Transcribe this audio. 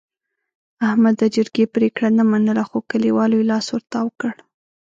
احمد د جرګې پرېګړه نه منله، خو کلیوالو یې لاس ورتاو کړ.